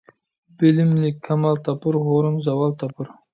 بىلىملىك كامال تاپۇر، ھۇرۇن زاۋال تاپۇر.